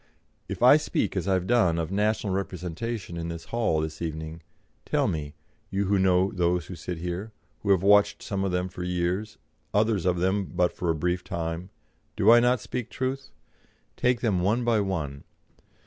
If I speak, as I have done, of national representation in this hall this evening, tell me, you who know those who sit here, who have watched some of them for years, others of them but for a brief time, do I not speak truth? Take them one by one.